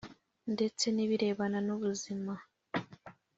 ndetse n’ibirebana n’ubuzima